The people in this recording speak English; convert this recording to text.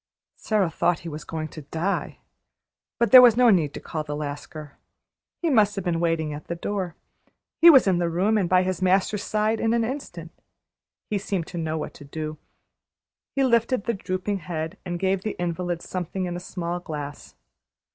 Sara thought he was going to die. But there was no need to call the Lascar. He must have been waiting at the door. He was in the room and by his master's side in an instant. He seemed to know what to do. He lifted the drooping head, and gave the invalid something in a small glass.